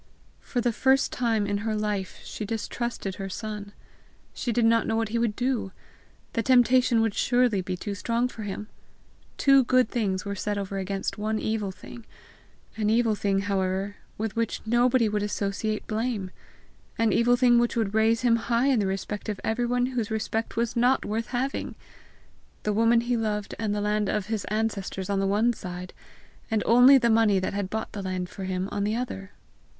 For the first time in her life she distrusted her son. She did not know what he would do! The temptation would surely be too strong for him! Two good things were set over against one evil thing an evil thing, however, with which nobody would associate blame, an evil thing which would raise him high in the respect of everyone whose respect was not worth having! the woman he loved and the land of his ancestors on the one side, and only the money that bought the land for him on the other!